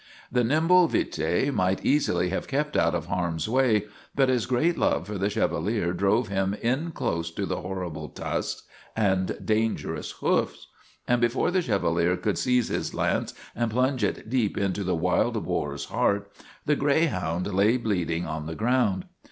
The nimble Vite might easily have kept out of harm's way, but his great love for the Chevalier drove him in close to the horrible tusks and danger ous hoofs, and before the Chevalier could seize his lance and plunge it deep into the wild boar's heart, the greyhound lay bleeding on the ground.